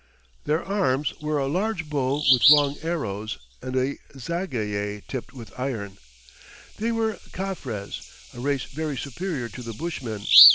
Their arms were a large bow with long arrows, and a zagaye tipped with iron. They were Caffres, a race very superior to the Bushmen.